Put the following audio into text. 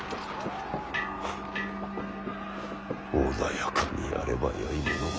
フッ穏やかにやればよいものを。